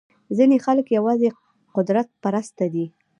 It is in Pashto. ځینې خلک یوازې قدرت پرسته دي.